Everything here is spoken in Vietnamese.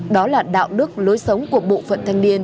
đó là đạo đức lối sống của bộ phận thanh niên